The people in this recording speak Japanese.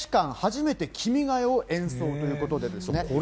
韓国大使館、初めて君が代を演奏ということで。